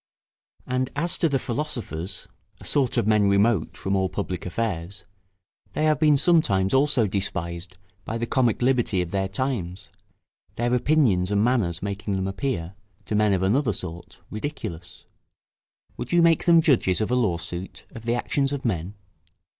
And, as to the philosophers, a sort of men remote from all public affairs, they have been sometimes also despised by the comic liberty of their times; their opinions and manners making them appear, to men of another sort, ridiculous. Would you make them judges of a lawsuit, of the actions of men?